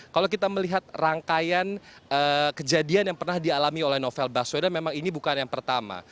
kalau kita melihat rangkaian kejadian yang pernah dialami oleh novel baswedan memang ini bukan yang pertama